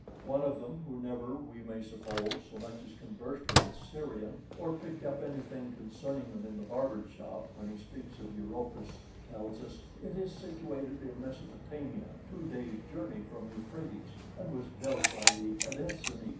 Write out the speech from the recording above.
One of them, who never, we may suppose, so much as conversed with a Syrian, or picked up anything concerning them in the barbers' shop, when he speaks of Europus, tells us, "it is situated in Mesopotamia, two days' journey from Euphrates, and was built by the Edessenes."